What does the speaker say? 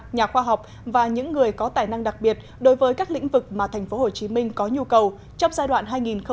nhà khoa học và những người có tài năng đặc biệt đối với các lĩnh vực mà tp hcm có nhu cầu trong giai đoạn hai nghìn một mươi sáu hai nghìn hai mươi